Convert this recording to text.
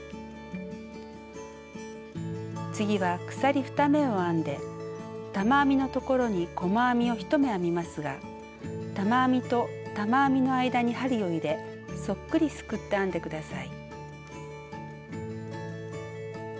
次は鎖２目を編んで玉編みのところに玉編みと玉編みの間に針を入れそっくりすくって編んでください。